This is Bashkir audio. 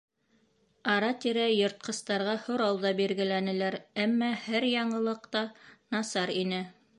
Ара-тирә йыртҡыстарға һорау ҙа биргеләнеләр, әммә һәр яңылыҡ та насар ине.